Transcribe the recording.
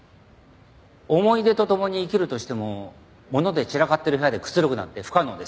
思い出と共に生きるとしても物で散らかってる部屋でくつろぐなんて不可能です。